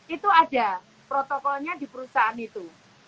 itu ada protokolnya di perusahaan itu